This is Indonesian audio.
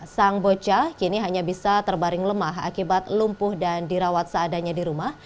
sang bocah kini hanya bisa terbaring lemah akibat lumpuh dan dirawat seadanya di rumah